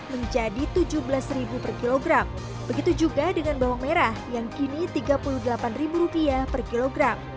menjadi tujuh belas per kilogram begitu juga dengan bawang merah yang kini tiga puluh delapan rupiah per kilogram